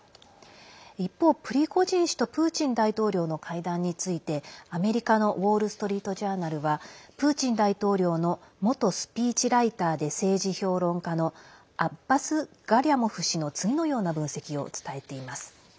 一方、プリゴジン氏とプーチン大統領の会談についてアメリカのウォール・ストリート・ジャーナルはプーチン大統領の元スピーチライターで政治評論家のアッバス・ガリャモフ氏の次のような分析を伝えています。